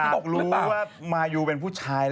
บอกรู้ว่ามายูเป็นผู้ชาย